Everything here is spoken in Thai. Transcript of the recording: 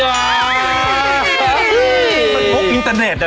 มันทุกอินเตอร์เน็ต